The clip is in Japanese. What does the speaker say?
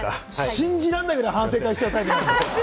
信じられないぐらい反省会しちゃうタイプだから。